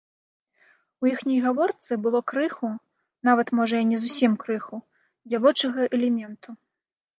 У іхняй гаворцы было крыху, нават можа і не зусім крыху, дзявочага элементу.